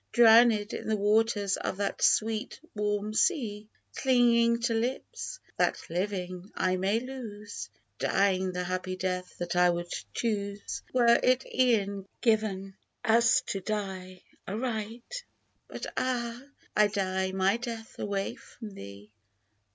Drown'd in the waters of that sweet warm sea, Clinging to lips, that living, I may lose, Dying the happy death that I would choose Were it e'en given us to die aright ! But ah ! "I die my death away from thee